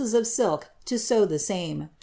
of silk to sew the same, 24s.